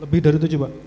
lebih dari tujuh pak